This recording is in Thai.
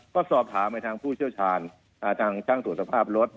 ก็สอบถามไปทางค่อนกันพูดเชี่ยวชาญทั้งสถอยสภาพรถ